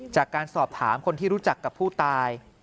จากการสอบถามคนที่รู้จักกับผู้ตาย